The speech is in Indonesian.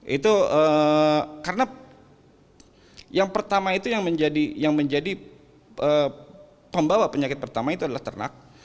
itu karena yang pertama itu yang menjadi pembawa penyakit pertama itu adalah ternak